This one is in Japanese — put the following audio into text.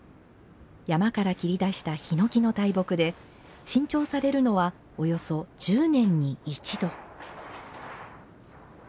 山から切り出したヒノキの大木で新調されるのはおよそ１０年に１度。